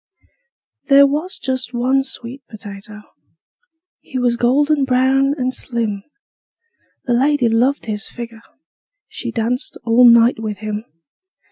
"There was just one sweet potato. He was golden brown and slim: The lady loved his figure. She danced all night with him.